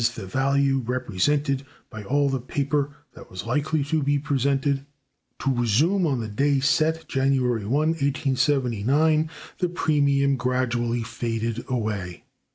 the value represented by all the paper that was likely to be presented) to resume on the day set, January 1, 1879, the premium gradually faded away.